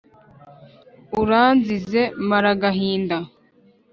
uranzize maragahinda?